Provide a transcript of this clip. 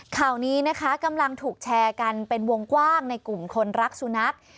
ข่าวนี้นะคะกำลังถูกแชร์กันเป็นวงกว้างในกลุ่มคนรักสุนัข